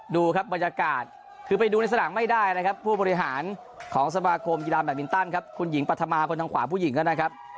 ดูครับบรรยากาศคือไปดูในสนามไม่ได้นะครับผู้บริหารของสมาคมกีฬาแบตมินตันครับคุณหญิงปัธมาคนทางขวาผู้หญิงนะครับ